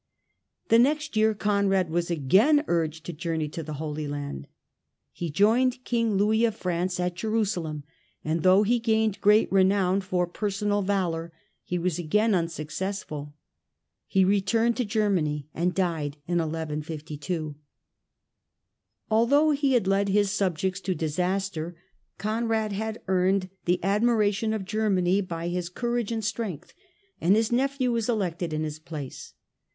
The next year Conrad was again urged to journey to the Holy Land. He joined King Louis of France at Jerusalem, and though he gained great renown for personal valour, he was again unsuccessful. He returned to Germany and died in 1152. Although he had led his subjects to disaster, Conrad had earned the admiration of Germany by his courage and strength, and his nephew was elected in his place.